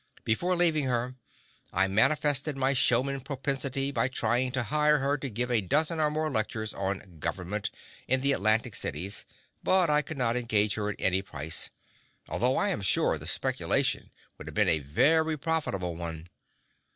Before leaving her, I manifested my showman propensity by trying to hire her to give a dozen or more lectures on "Government," in the Atlantic cities, but I could not engage her at any price, although I am sure the speculation would have been a very profitable one.